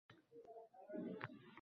Soqoli koʻksiga tushgan